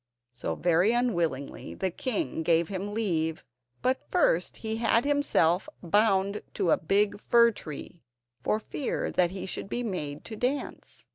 So, very unwillingly, the king gave him leave; but first he had himself bound to a big fir tree, for fear that he should be made to dance.